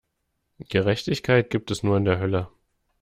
Gerechtigkeit gibt es nur in der Hölle!